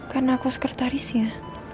karena aku sekretarisnya